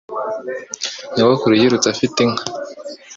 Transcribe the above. Nyogokuru yirutse afite inka